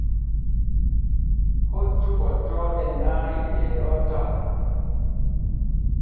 Hoccu ɓoccooɗe nay ɗeeɗo taw.